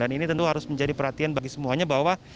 dan ini tentu harus menjadi perhatian bagi semuanya bahwa